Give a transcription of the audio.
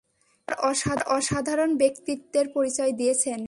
তিনি তার অসাধারণ ব্যক্তিত্বের পরিচয় দিয়েছেন।